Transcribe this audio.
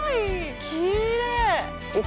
きれい！